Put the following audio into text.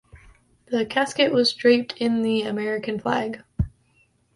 The casket was draped in the American flag.